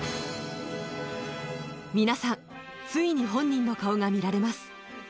皆さん、ついに本人の顔が見られます。